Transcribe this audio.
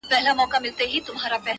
کوزه په دري چلي ماتېږي.